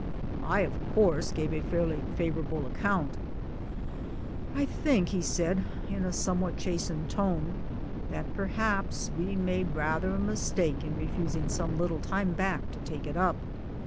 I of course gave a fairly favorable account. " I think," said he in a somewhat chastened tone " that perhaps we made rather a mistake in refusing some little time back to take it up.